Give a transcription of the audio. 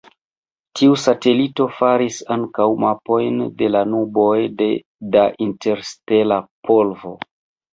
Tiu satelito faris ankaŭ mapojn de la nuboj da interstela polvo.